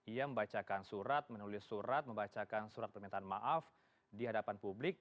ia membacakan surat menulis surat membacakan surat permintaan maaf di hadapan publik